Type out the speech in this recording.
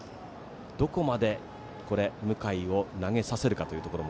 どこまで向井を投げさせるかも。